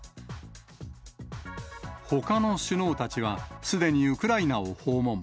ほかの首脳たちは、すでにウクライナを訪問。